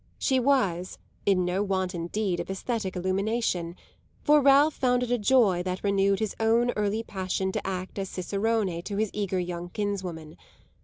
She was in no want indeed of esthetic illumination, for Ralph found it a joy that renewed his own early passion to act as cicerone to his eager young kinswoman.